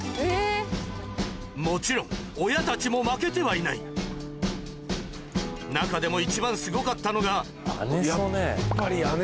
もちろん親たちも負けてはいない中でも一番すごかったのが姉曽根。